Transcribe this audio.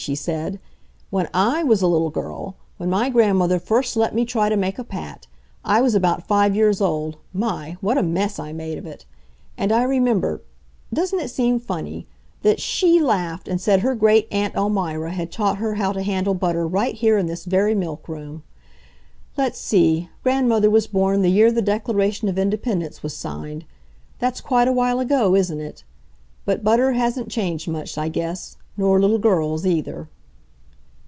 she said "when I was a little girl, when my grandmother first let me try to make a pat. I was about five years old—my! what a mess I made of it! And I remember? doesn't it seem funny—that SHE laughed and said her Great aunt Elmira had taught her how to handle butter right here in this very milk room. Let's see, Grandmother was born the year the Declaration of Independence was signed. That's quite a while ago, isn't it? But butter hasn't changed much, I guess, nor little girls either."